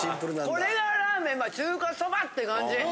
これがラーメン中華そばって感じ。